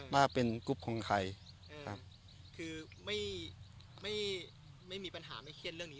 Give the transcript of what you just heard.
ว่าเป็นกลุ่มของใครครับคือไม่ไม่ไม่มีปัญหาไม่เครื่องใด